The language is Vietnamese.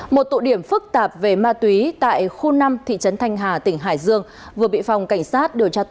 một tụ điểm phức tạp về ma túy tại khu năm thị trấn thanh hà tỉnh hải dương vừa bị phòng cảnh sát điều tra tội phạm